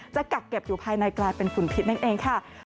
กักเก็บอยู่ภายในกลายเป็นฝุ่นพิษนั่นเองค่ะ